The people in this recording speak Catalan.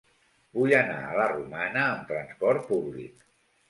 Vull anar a la Romana amb transport públic.